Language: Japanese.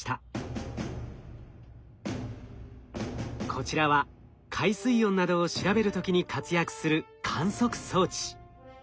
こちらは海水温などを調べる時に活躍する観測装置。